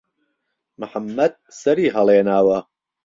محەممەد سهری ههڵێناوه